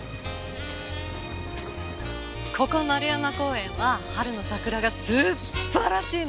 ここ円山公園は春の桜が素晴らしいの。